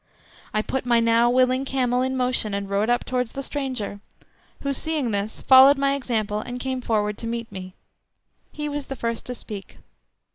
I put my now willing camel in motion and rode up towards the stranger, who seeing this followed my example and came forward to meet me. He was the first to speak.